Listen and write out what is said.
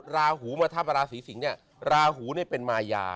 ราหูมาทับราศีสิงศ์เนี่ยราหูเนี่ยเป็นมายา